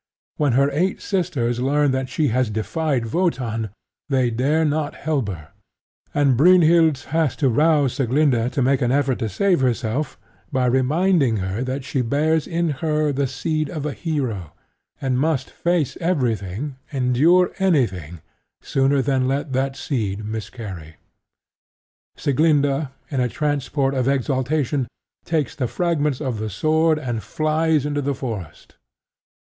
When her eight sisters learn that she has defied Wotan, they dare not help her; and Brynhild has to rouse Sieglinda to make an effort to save herself, by reminding her that she bears in her the seed of a hero, and must face everything, endure anything, sooner than let that seed miscarry. Sieglinda, in a transport of exaltation, takes the fragments of the sword and flies into the forest.